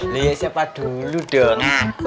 li siapa dulu dong aku